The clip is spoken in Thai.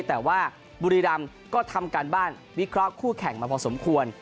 แต่ว่าบุรีรำก็ทำการบ้านวิเคราะห์คู่แข่งมาพอสมควร